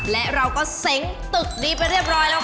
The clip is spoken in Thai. และเราก็เซ้งตึกนี้ไปเรียบร้อยแล้วค่ะ